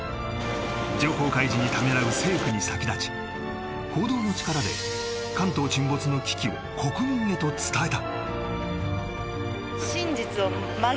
情報開示にためらう政府に先立ち報道の力で関東沈没の危機を国民へと伝えた